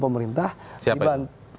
pemerintah siapa itu